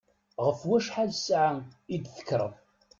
Ɣef wacḥal ssaɛa i d-tekkreḍ?